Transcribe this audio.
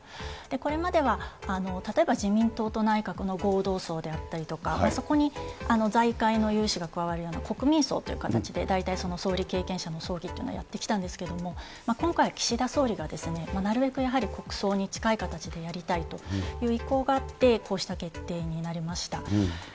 これまでは例えば自民党と内閣の合同葬であったりとか、そこに財界の有志が加わるような、国民葬という形で、大体、総理経験者の葬儀というのはやってきたんですけれども、今回、岸田総理がなるべくやはり国葬に近い形でやりたいという意向があって、こうした決定になりました。